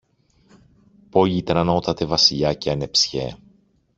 «Πολυτρανότατε Βασιλιά και ανεψιέ.